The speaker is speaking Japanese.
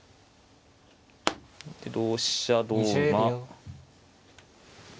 で同飛車同馬。